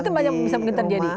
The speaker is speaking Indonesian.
itu banyak bisa mungkin terjadi